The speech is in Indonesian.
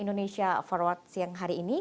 indonesia forward siang hari ini